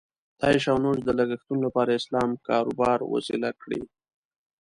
د عیش او نوش د لګښتونو لپاره یې اسلام کاروبار وسیله کړې.